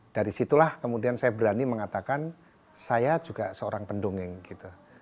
dari situlah kemudian saya berani mengatakan saya juga seorang pendongeng gitu